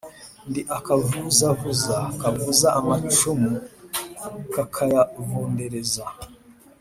ndi akavuzavuza, kavuza amacumu kakayavundereza,